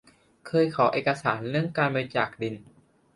เคยขอเอกสารเรื่องการบริจาคดิน